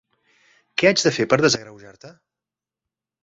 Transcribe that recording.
Què haig de fer per desagreujar-te?